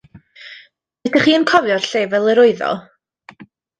Ydech chi yn cofio'r lle fel yr oedd o?